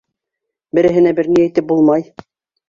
Береһенә бер ни әйтеп булмай!